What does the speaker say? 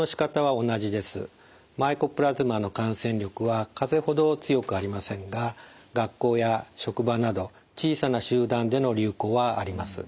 マイコプラズマの感染力はかぜほど強くありませんが学校や職場など小さな集団での流行はあります。